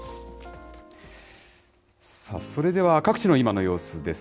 それでは各地の今の様子です。